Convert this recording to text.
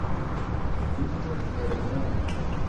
Tute nereala!